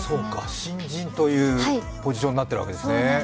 新人というポジションになっているわけですね。